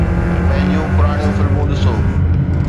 پنهنجون پراڻيون فلمون ڏسو.